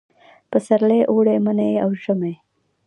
پسرلي، اوړي، مني او ژمي